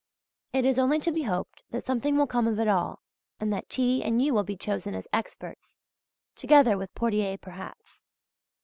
It is only to be hoped that something will come of it all, and that T. and you will be chosen as experts (together with Portier perhaps).